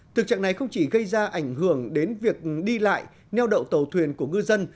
thực trạng này không chỉ gây ra ảnh hưởng đến việc đi lại neo đậu tàu thuyền của ngư dân